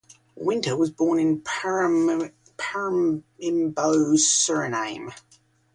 Winter was born in Paramaribo, Suriname.